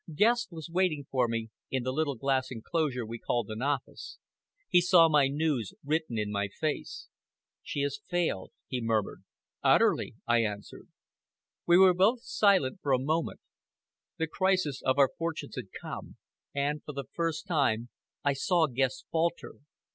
Guest was waiting for me in the little glass enclosure we called an office. He saw my news written in my face. "She has failed," he murmured. "Utterly!" I answered. We were both silent for a moment. The crisis of our fortunes had come, and, for the first time, I saw Guest falter.